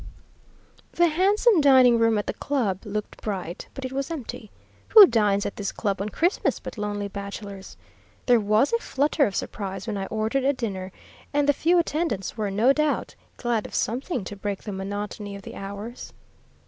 "The handsome dining room at the club looked bright, but it was empty. Who dines at this club on Christmas but lonely bachelors? There was a flutter of surprise when I ordered a dinner, and the few attendants were, no doubt, glad of something to break the monotony of the hours.